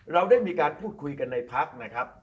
เราได้มีการพูดคุยกันในพักนะครับ